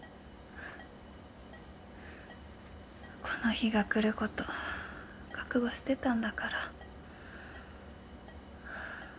この日が来ること覚悟してたんだから。